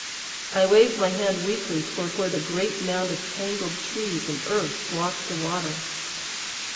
I waved my hand weakly toward where the great mound of tangled trees and earth blocked the water.